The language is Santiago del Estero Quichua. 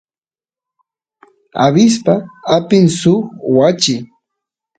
abispa apin suk wachi